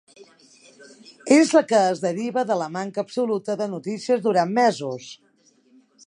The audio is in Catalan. És la que es deriva de la manca absoluta de notícies durant mesos.